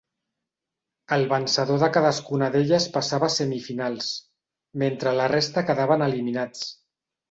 El vencedor de cadascuna d'elles passava a semifinals, mentre la resta quedaven eliminats.